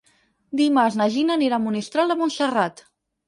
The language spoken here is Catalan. Dimarts na Gina anirà a Monistrol de Montserrat.